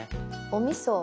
おみそ